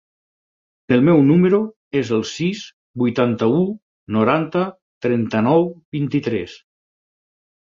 El meu número es el sis, vuitanta-u, noranta, trenta-nou, vint-i-tres.